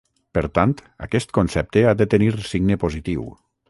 Per tant, aquest concepte ha de tenir signe positiu.